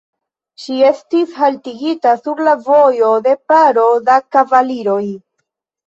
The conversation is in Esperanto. Ŝi estis haltigita sur la vojo de paro da kavaliroj.